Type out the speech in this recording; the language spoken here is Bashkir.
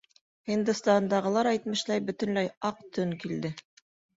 Һиндостандағылар әйтмешләй, бөтөнләй «аҡ төн» килде.